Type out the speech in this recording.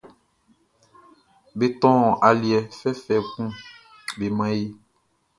Be tɔn aliɛ fɛfɛ kun be man e.